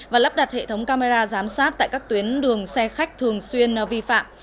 và lắp đặt hệ thống camera giám sát tại các tuyến đường xe khách thường xuyên vi phạm